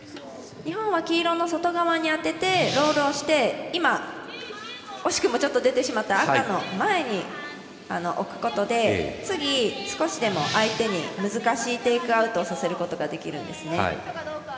日本は黄色の外側に当ててロールをして、今惜しくもちょっと出てしまった赤の前に置くことで次、少しでも相手に難しいテイクアウトをさせることができます。